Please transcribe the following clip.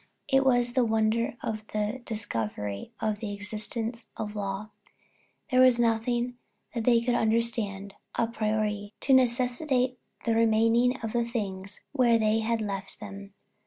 It was the wonder of the discovery of the existence of law. There was nothing that they could understand, à priori, to necessitate the remaining of the things where they had left them.